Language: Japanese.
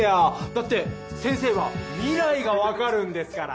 だって先生は未来がわかるんですから。